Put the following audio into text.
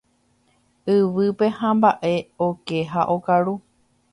Yvýpe hamba'e oke ha okaru.